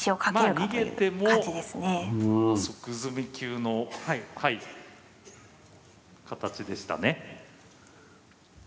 逃げても即詰み級の形でしたね。